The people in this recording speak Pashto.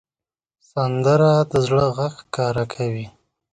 سندره د زړه غږ ښکاره کوي